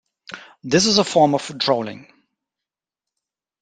This is a form of trolling.